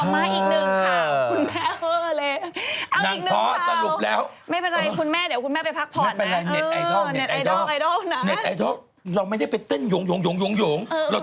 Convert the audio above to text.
นะเอาเคลียร์ประเด็นนี้นะคะคุณผู้ชมมาอีกหนึ่งค่ะ